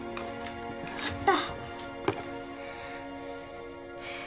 あった